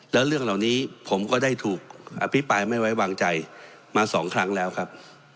แล้วเรื่องเหล่านี้ผมก็ได้ถูกอภิปรายไม่ไว้วางใจมาสองครั้งแล้วครับ